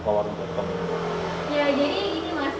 ya jadi ini mas karena kita sudah selesai